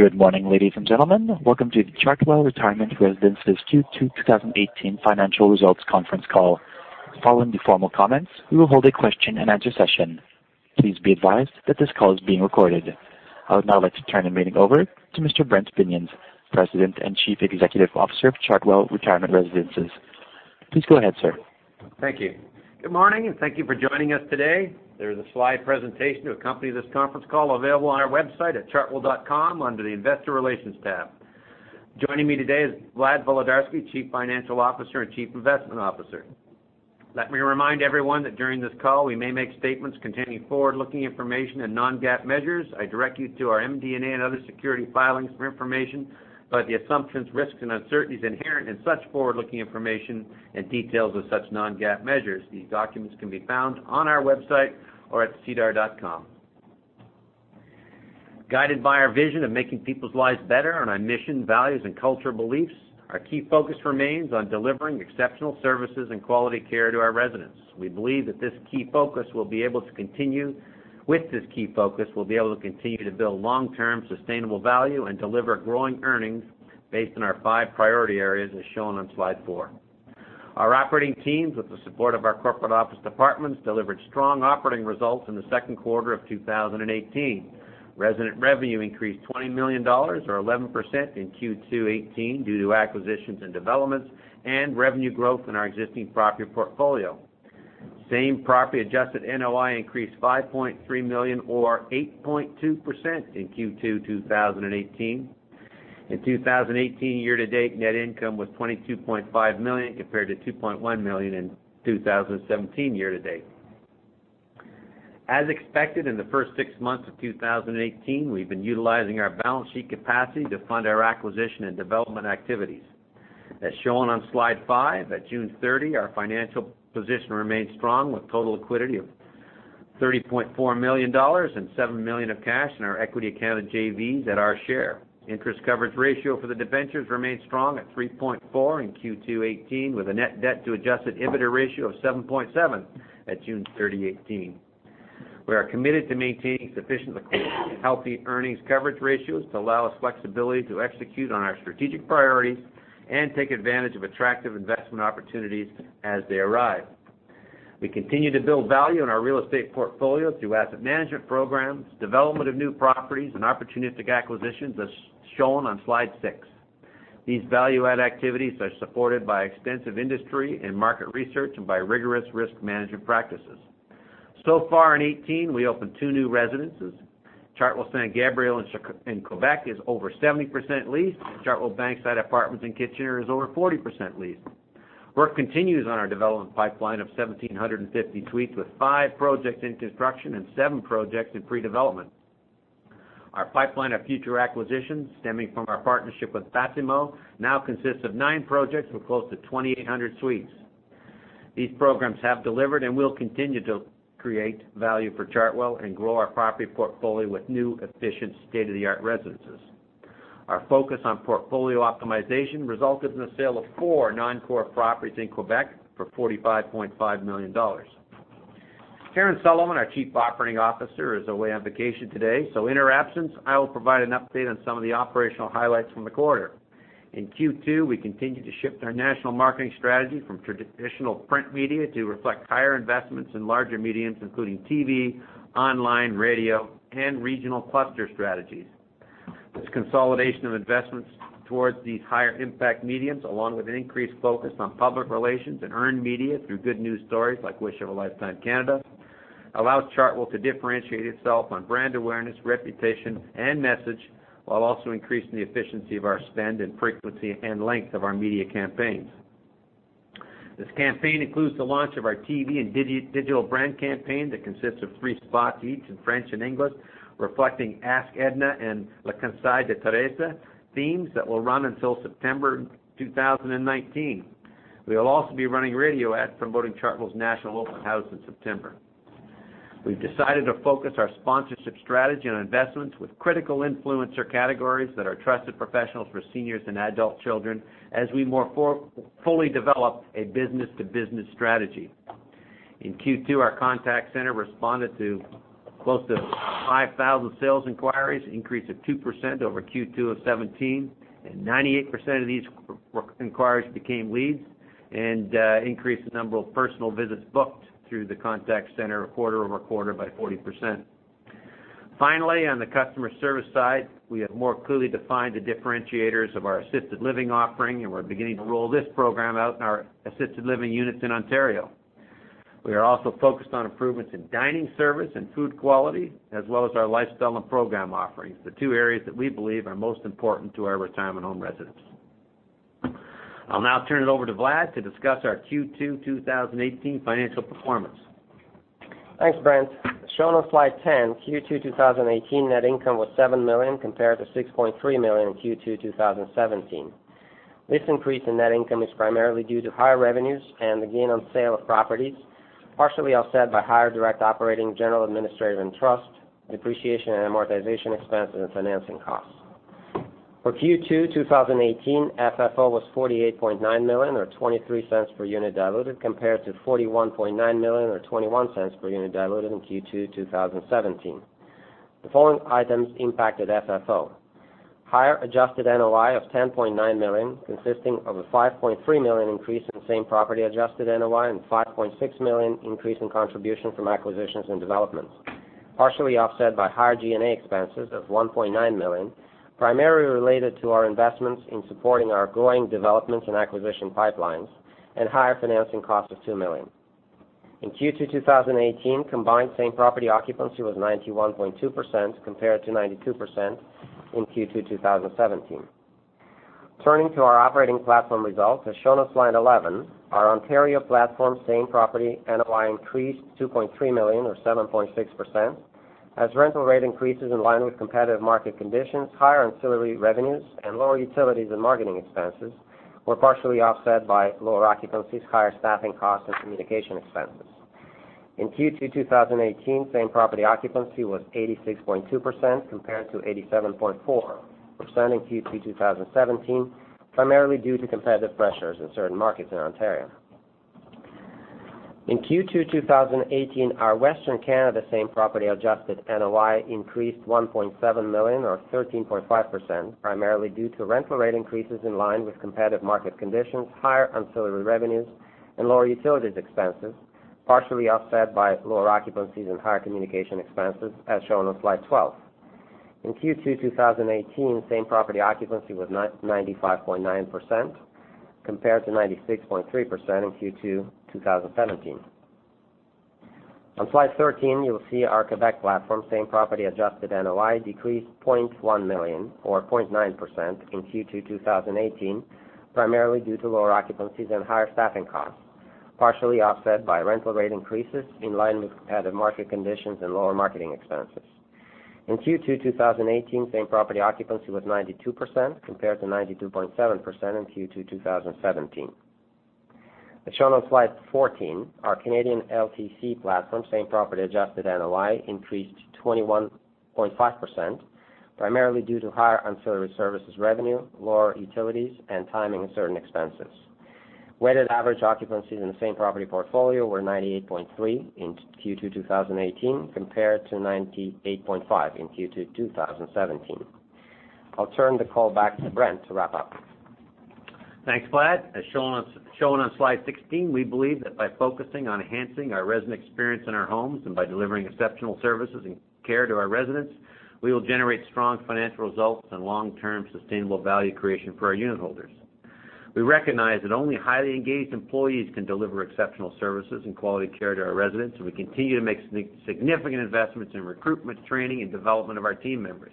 Good morning, ladies and gentlemen. Welcome to the Chartwell Retirement Residences Q2 2018 financial results conference call. Following the formal comments, we will hold a question-and-answer session. Please be advised that this call is being recorded. I would now like to turn the meeting over to Mr. Brent Binions, President and Chief Executive Officer of Chartwell Retirement Residences. Please go ahead, sir. Thank you. Good morning. Thank you for joining us today. There is a slide presentation to accompany this conference call available on our website at chartwell.com under the Investor Relations tab. Joining me today is Vlad Volodarski, Chief Financial Officer and Chief Investment Officer. Let me remind everyone that during this call, we may make statements containing forward-looking information and non-GAAP measures. I direct you to our MD&A and other security filings for information about the assumptions, risks, and uncertainties inherent in such forward-looking information and details of such non-GAAP measures. These documents can be found on our website or at sedar.com. Guided by our vision of making people's lives better and our mission, values, and cultural beliefs, our key focus remains on delivering exceptional services and quality care to our residents. We believe that with this key focus, we'll be able to continue to build long-term sustainable value and deliver growing earnings based on our five priority areas, as shown on slide four. Our operating teams, with the support of our corporate office departments, delivered strong operating results in the second quarter of 2018. Resident revenue increased 20 million dollars, or 11%, in Q2 2018 due to acquisitions and developments and revenue growth in our existing property portfolio. Same-property adjusted NOI increased 5.3 million, or 8.2%, in Q2 2018. In 2018 year-to-date, net income was 22.5 million, compared to 2.1 million in 2017 year-to-date. As expected, in the first six months of 2018, we've been utilizing our balance sheet capacity to fund our acquisition and development activities. As shown on slide five, at June 30, 2018, our financial position remained strong with total liquidity of 30.4 million dollars and 7 million of cash in our equity account of JVs at our share. Interest coverage ratio for the debentures remained strong at 3.4 in Q2 2018, with a net debt to adjusted EBITDA ratio of 7.7 at June 30, 2018. We are committed to maintaining sufficient liquidity and healthy earnings coverage ratios to allow us flexibility to execute on our strategic priorities and take advantage of attractive investment opportunities as they arrive. We continue to build value in our real estate portfolio through asset management programs, development of new properties, and opportunistic acquisitions, as shown on slide six. So far in 2018, we opened two new residences. Chartwell St-Gabriel in Quebec is over 70% leased. Chartwell Bankside Apartments in Kitchener is over 40% leased. Work continues on our development pipeline of 1,750 suites, with five projects in construction and seven projects in pre-development. Our pipeline of future acquisitions stemming from our partnership with Batimo now consists of nine projects with close to 2,800 suites. These programs have delivered and will continue to create value for Chartwell and grow our property portfolio with new, efficient, state-of-the-art residences. Our focus on portfolio optimization resulted in the sale of four non-core properties in Quebec for 45.5 million dollars. Karen Sullivan, our Chief Operating Officer, is away on vacation today. In her absence, I will provide an update on some of the operational highlights from the quarter. In Q2, we continued to shift our national marketing strategy from traditional print media to reflect higher investments in larger mediums, including TV, online, radio, and regional cluster strategies. This consolidation of investments towards these higher impact mediums, along with an increased focus on public relations and earned media through good news stories like Wish of a Lifetime Canada, allows Chartwell to differentiate itself on brand awareness, reputation, and message, while also increasing the efficiency of our spend and frequency and length of our media campaigns. This campaign includes the launch of our TV and digital brand campaign that consists of three spots each in French and English, reflecting Ask Edna and Les Conseils de Thérèse themes that will run until September 2019. We will also be running radio ads promoting Chartwell's national open house in September. We've decided to focus our sponsorship strategy on investments with critical influencer categories that are trusted professionals for seniors and adult children, as we more fully develop a business-to-business strategy. In Q2, our contact center responded to close to 5,000 sales inquiries, an increase of 2% over Q2 of 2017, and 98% of these inquiries became leads and increased the number of personal visits booked through the contact center quarter-over-quarter by 40%. Finally, on the customer service side, we have more clearly defined the differentiators of our assisted living offering, and we're beginning to roll this program out in our assisted living units in Ontario. We are also focused on improvements in dining service and food quality, as well as our lifestyle and program offerings, the two areas that we believe are most important to our retirement home residents. I'll now turn it over to Vlad to discuss our Q2 2018 financial performance. Thanks, Brent. As shown on slide 10, Q2 2018 net income was 7 million, compared to 6.3 million in Q2 2017. This increase in net income is primarily due to higher revenues and the gain on sale of properties, partially offset by higher direct operating, general, administrative and trust, depreciation and amortization expense, and financing costs. For Q2 2018, FFO was 48.9 million, or 0.23 per unit diluted, compared to 41.9 million or 0.21 per unit diluted in Q2 2017. The following items impacted FFO. Higher adjusted NOI of 10.9 million, consisting of a 5.3 million increase in same-property adjusted NOI and 5.6 million increase in contribution from acquisitions and developments, partially offset by higher G&A expenses of 1.9 million, primarily related to our investments in supporting our growing developments and acquisition pipelines, and higher financing cost of 2 million. In Q2 2018, combined same-property occupancy was 91.2%, compared to 92% in Q2 2017. Turning to our operating platform results, as shown on slide 11, our Ontario platform same-property NOI increased 2.3 million or 7.6%, as rental rate increases in line with competitive market conditions, higher ancillary revenues, and lower utilities and marketing expenses were partially offset by lower occupancies, higher staffing costs, and communication expenses. In Q2 2018, same-property occupancy was 86.2%, compared to 87.4% in Q2 2017, primarily due to competitive pressures in certain markets in Ontario. In Q2 2018, our Western Canada same-property adjusted NOI increased 1.7 million or 13.5%, primarily due to rental rate increases in line with competitive market conditions, higher ancillary revenues, and lower utilities expenses, partially offset by lower occupancies and higher communication expenses, as shown on slide 12. In Q2 2018, same-property occupancy was 95.9%, compared to 96.3% in Q2 2017. On Slide 13, you will see our Quebec platform same-property adjusted NOI decreased 0.1 million or 0.9% in Q2 2018, primarily due to lower occupancies and higher staffing costs, partially offset by rental rate increases in line with competitive market conditions and lower marketing expenses. In Q2 2018, same-property occupancy was 92%, compared to 92.7% in Q2 2017. As shown on slide 14, our Canadian LTC platform same-property adjusted NOI increased 21.5%, primarily due to higher ancillary services revenue, lower utilities, and timing of certain expenses. Weighted average occupancies in the same-property portfolio were 98.3% in Q2 2018, compared to 98.5% in Q2 2017. I'll turn the call back to Brent to wrap up. Thanks, Vlad. As shown on slide 16, we believe that by focusing on enhancing our resident experience in our homes and by delivering exceptional services and care to our residents, we will generate strong financial results and long-term sustainable value creation for our unitholders. We recognize that only highly engaged employees can deliver exceptional services and quality care to our residents, and we continue to make significant investments in recruitment, training, and development of our team members.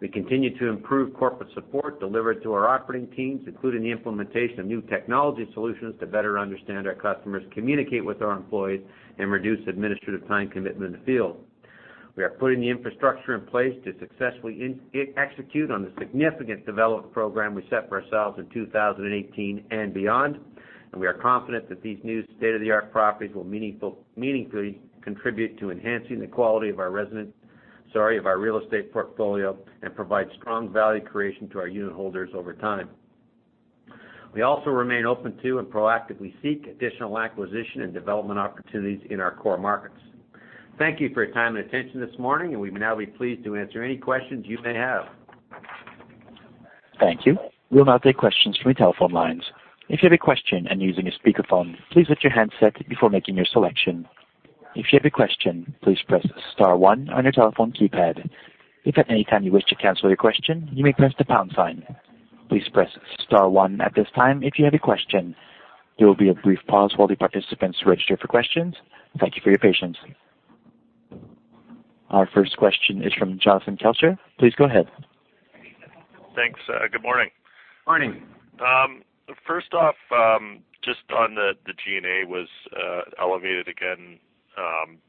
We continue to improve corporate support delivered to our operating teams, including the implementation of new technology solutions to better understand our customers, communicate with our employees, and reduce administrative time commitment in the field. We are putting the infrastructure in place to successfully execute on the significant development program we set for ourselves in 2018 and beyond. We are confident that these new state-of-the-art properties will meaningfully contribute to enhancing the quality of our real estate portfolio and provide strong value creation to our unitholders over time. We also remain open to and proactively seek additional acquisition and development opportunities in our core markets. Thank you for your time and attention this morning. We'd now be pleased to answer any questions you may have. Thank you. We'll now take questions from the telephone lines. If you have a question and you're using a speakerphone, please mute your handset before making your selection. If you have a question, please press *1 on your telephone keypad. If at any time you wish to cancel your question, you may press the # sign. Please press *1 at this time if you have a question. There will be a brief pause while the participants register for questions. Thank you for your patience. Our first question is from Jonathan Kelcher. Please go ahead. Thanks. Good morning. Morning. First off, just on the G&A was elevated again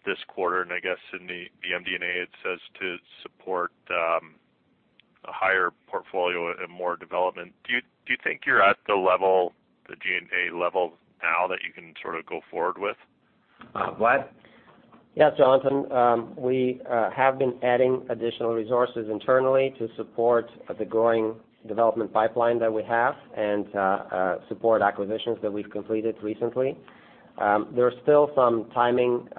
this quarter. I guess in the MD&A, it says to support a higher portfolio and more development. Do you think you're at the G&A level now that you can sort of go forward with? Vlad? Yeah, Jonathan. We have been adding additional resources internally to support the growing development pipeline that we have and support acquisitions that we've completed recently. There are still some timing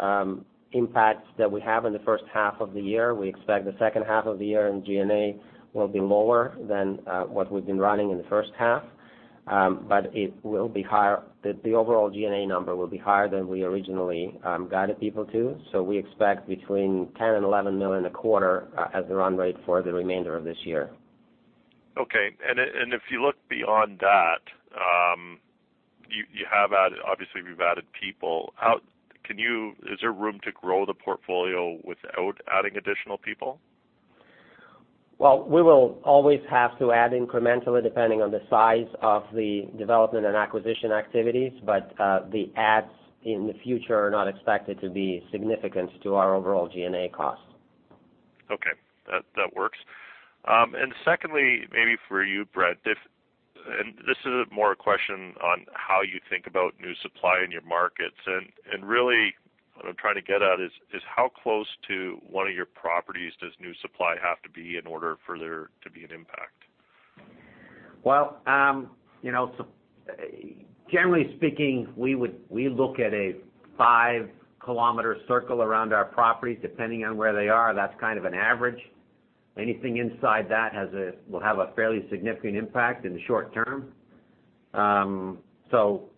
impacts that we have in the first half of the year. We expect the second half of the year in G&A will be lower than what we've been running in the first half. The overall G&A number will be higher than we originally guided people to. We expect between 10 million and 11 million a quarter as a run rate for the remainder of this year. Okay. If you look beyond that, obviously, you've added people. Is there room to grow the portfolio without adding additional people? Well, we will always have to add incrementally depending on the size of the development and acquisition activities, but the adds in the future are not expected to be significant to our overall G&A costs. Okay. That works. Secondly, maybe for you, Brent. This is more a question on how you think about new supply in your markets. Really what I'm trying to get at is how close to one of your properties does new supply have to be in order for there to be an impact? Well, generally speaking, we look at a five-kilometer circle around our properties. Depending on where they are, that's kind of an average. Anything inside that will have a fairly significant impact in the short term.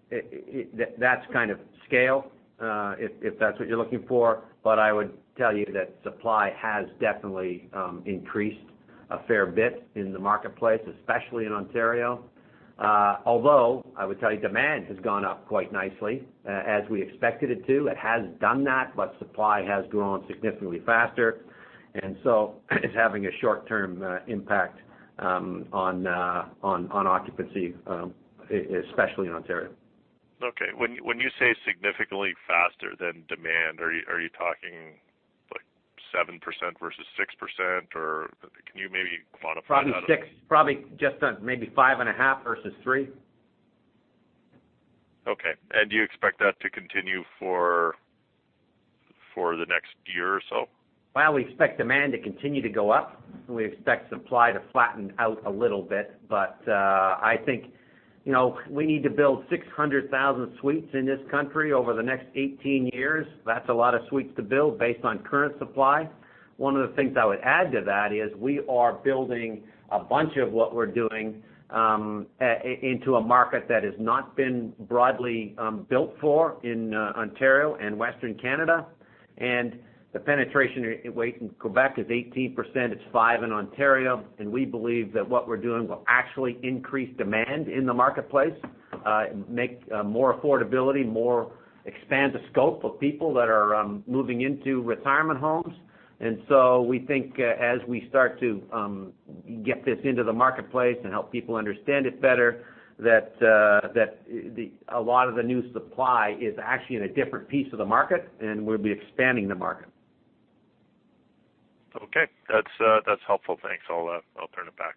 That's kind of scale, if that's what you're looking for. I would tell you that supply has definitely increased a fair bit in the marketplace, especially in Ontario. Although I would tell you demand has gone up quite nicely, as we expected it to. It has done that, supply has grown significantly faster, it's having a short-term impact on occupancy, especially in Ontario. Okay. When you say significantly faster than demand, are you talking 7% versus 6% or can you maybe quantify that a bit? Probably six. Probably just maybe five and a half versus three. Okay. Do you expect that to continue for the next year or so? We expect demand to continue to go up, we expect supply to flatten out a little bit. I think, we need to build 600,000 suites in this country over the next 18 years. That's a lot of suites to build based on current supply. One of the things I would add to that is we are building a bunch of what we're doing into a market that has not been broadly built for in Ontario and Western Canada. The penetration rate in Quebec is 18%, it's 5% in Ontario, we believe that what we're doing will actually increase demand in the marketplace, make more affordability, expand the scope of people that are moving into retirement homes. We think as we start to get this into the marketplace help people understand it better, that a lot of the new supply is actually in a different piece of the market, we'll be expanding the market. Okay. That's helpful. Thanks. I'll turn it back.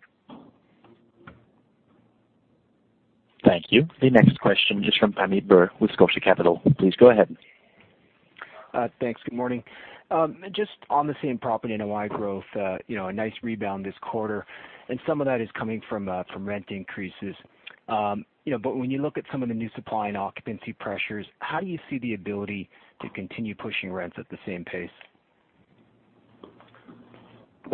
Thank you. The next question is from Pammi Bir with Scotia Capital. Please go ahead. Thanks. Good morning. Just on the same property NOI growth, a nice rebound this quarter, some of that is coming from rent increases. When you look at some of the new supply and occupancy pressures, how do you see the ability to continue pushing rents at the same pace?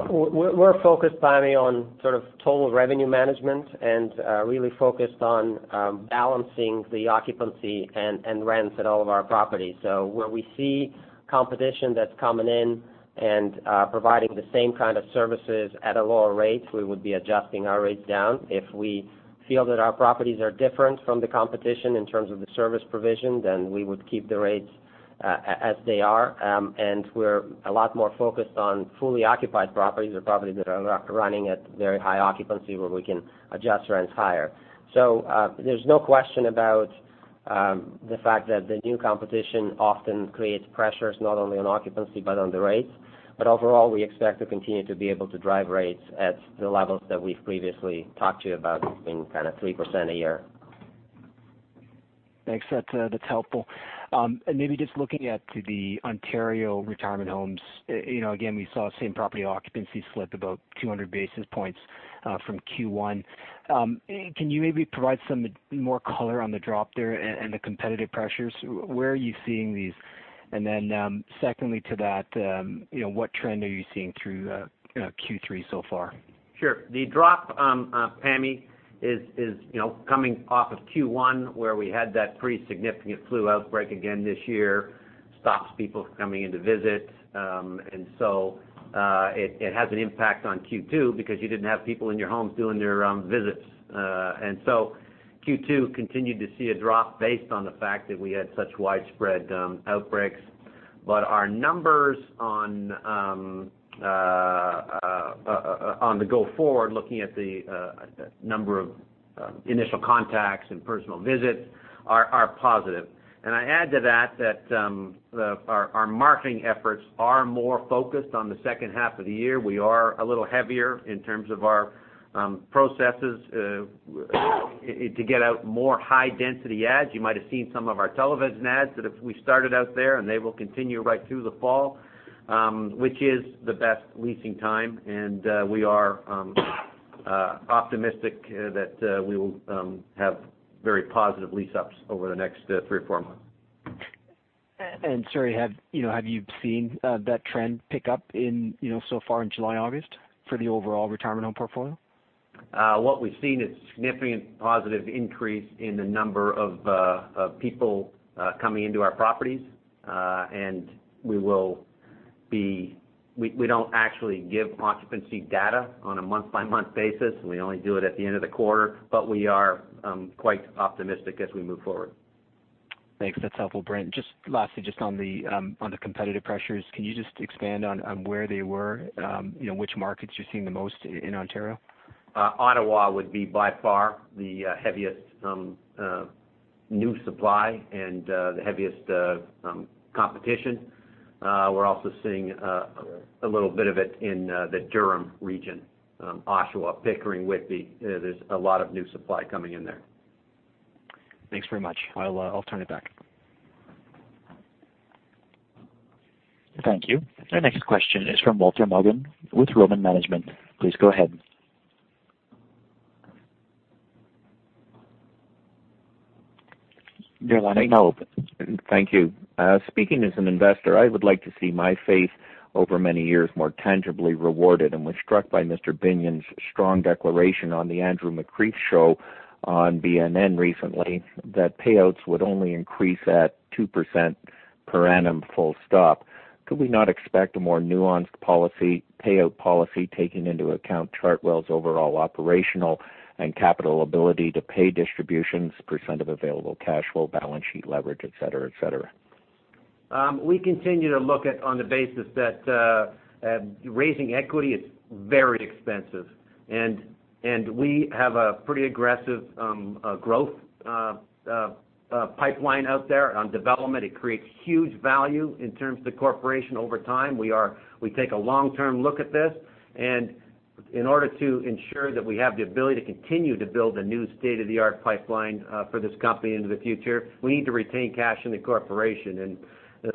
We're focused, Pammi, on sort of total revenue management and really focused on balancing the occupancy and rents at all of our properties. Where we see competition that's coming in and providing the same kind of services at a lower rate, we would be adjusting our rates down. If we feel that our properties are different from the competition in terms of the service provision, then we would keep the rates as they are. We're a lot more focused on fully occupied properties or properties that are running at very high occupancy where we can adjust rents higher. There's no question about the fact that the new competition often creates pressures not only on occupancy but on the rates. Overall, we expect to continue to be able to drive rates at the levels that we've previously talked to you about, being kind of 3% a year. Thanks. That's helpful. Maybe just looking at the Ontario retirement homes, again, we saw same-property occupancy slip about 200 basis points from Q1. Can you maybe provide some more color on the drop there and the competitive pressures? Where are you seeing these? Secondly to that, what trend are you seeing through Q3 so far? Sure. The drop, Pammi, is coming off of Q1 where we had that pretty significant flu outbreak again this year. Stops people from coming in to visit. It has an impact on Q2 because you didn't have people in your homes doing their visits. Q2 continued to see a drop based on the fact that we had such widespread outbreaks. Our numbers on the go forward, looking at the number of initial contacts and personal visits are positive. I add to that our marketing efforts are more focused on the second half of the year. We are a little heavier in terms of our processes to get out more high-density ads. You might have seen some of our television ads that we started out there, and they will continue right through the fall, which is the best leasing time. We are optimistic that we will have very positive lease-ups over the next three or four months. Sorry, have you seen that trend pick up so far in July, August for the overall retirement home portfolio? What we've seen is significant positive increase in the number of people coming into our properties. We don't actually give occupancy data on a month-by-month basis, and we only do it at the end of the quarter, but we are quite optimistic as we move forward. Thanks. That's helpful. Brent, just lastly, just on the competitive pressures, can you just expand on where they were, which markets you're seeing the most in Ontario? Ottawa would be by far the heaviest new supply and the heaviest competition. We're also seeing a little bit of it in the Durham Region, Oshawa, Pickering, Whitby. There's a lot of new supply coming in there. Thanks very much. I'll turn it back. Thank you. Our next question is from Walter Maughan with Roman Management. Please go ahead. Your line is now open. Thank you. Speaking as an investor, I would like to see my faith over many years more tangibly rewarded and was struck by Mr. Binions's strong declaration on "The Andrew McCreath Show" on BNN recently, that payouts would only increase at 2% per annum, full stop. Could we not expect a more nuanced payout policy, taking into account Chartwell's overall operational and capital ability to pay distributions, % of available cash flow, balance sheet leverage, et cetera? We continue to look at it on the basis that raising equity is very expensive, and we have a pretty aggressive growth pipeline out there on development. It creates huge value in terms of the corporation over time. We take a long-term look at this, and in order to ensure that we have the ability to continue to build a new state-of-the-art pipeline for this company into the future, we need to retain cash in the corporation.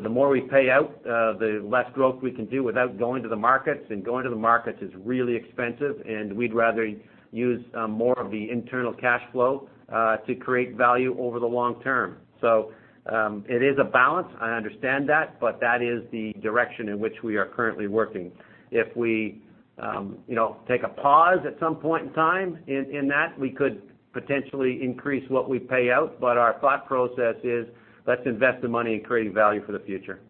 The more we pay out, the less growth we can do without going to the markets. Going to the markets is really expensive, and we'd rather use more of the internal cash flow to create value over the long term. It is a balance. I understand that is the direction in which we are currently working. If we take a pause at some point in time, in that, we could potentially increase what we pay out. Our thought process is, let's invest the money in creating value for the future.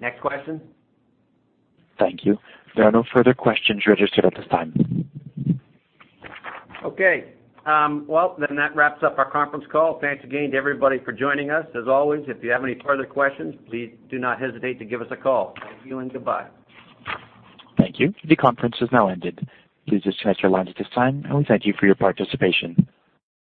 Next question. Thank you. There are no further questions registered at this time. Okay. That wraps up our conference call. Thanks again to everybody for joining us. As always, if you have any further questions, please do not hesitate to give us a call. Thank you and goodbye. Thank you. The conference has now ended. Please disconnect your lines at this time, and we thank you for your participation.